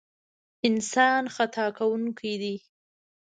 انسان خطا کوونکی دی.